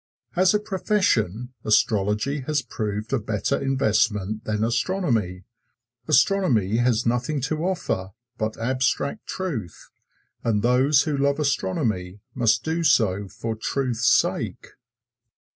As a profession, astrology has proved a better investment than astronomy. Astronomy has nothing to offer but abstract truth, and those who love astronomy must do so for truth's sake.